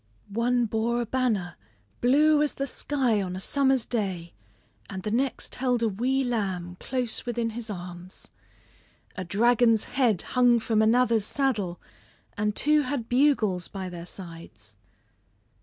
One bore a banner blue as the sky on a summer's day, and the next held a wee lamb close within his arms. A dragon's head hung from another's saddle, and two had bugles by their sides.